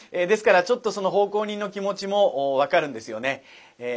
ですからちょっとその奉公人の気持ちも分かるんですよね。